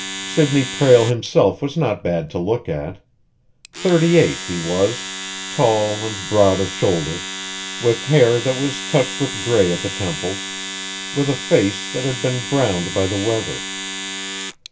Sidney Prale himself was not bad to look at. Thirty eight he was, tall and broad of shoulder, with hair that was touched with gray at the temples, with a face that had been browned by the weather.